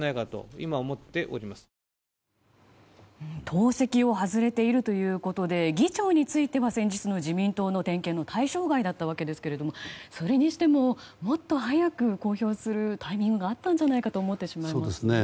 党籍を外れているということで議長については先日の自民党の点検の対象外だったわけですがそれにしても、もっと早く公表するタイミングがあったんじゃないかと思ってしまいますね。